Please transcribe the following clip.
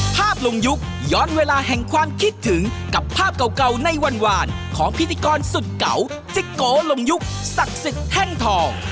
ภาพลงยุคย้อนเวลาแห่งความคิดถึงกับภาพเก่าในวันของพิธีกรสุดเก่าจิโกลงยุคศักดิ์สิทธิ์แท่งทอง